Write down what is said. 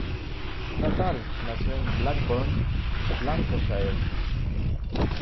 Nuttall nació en Blackburn, Lancashire.